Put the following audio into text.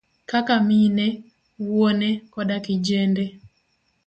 kaka mine, wuone koda kijende.